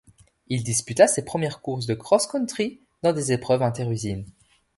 Il disputa ses premières courses de cross country dans des épreuves inter-usines.